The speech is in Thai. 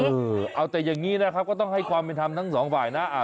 เออเอาแต่อย่างนี้นะครับก็ต้องให้ความเป็นธรรมทั้งสองฝ่ายนะ